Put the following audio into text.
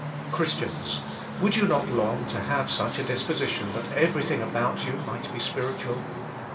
Christians! would you not long to have such a disposition that everything about you might be spiritual.